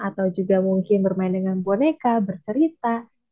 atau juga mungkin bermain dengan boneka bercerita